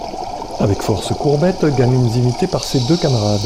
Avec force courbettes gamines imitées par ses deux camarades.